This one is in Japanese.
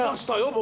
僕。